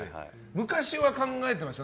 昔は考えてました？